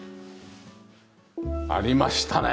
ありましたね！